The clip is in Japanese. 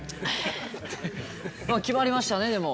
まあ決まりましたねでも。